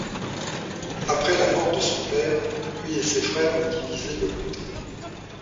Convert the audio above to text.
Après la mort de son père, lui et ses frères ont divisé le comté.